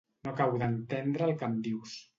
No acabo d'entendre el que em dius.